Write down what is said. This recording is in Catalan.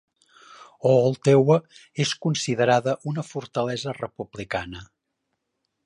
Ooltewah és considerada una fortalesa republicana.